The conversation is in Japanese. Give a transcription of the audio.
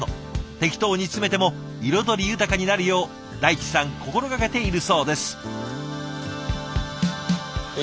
適当に詰めても彩り豊かになるよう大地さん心がけているそうです。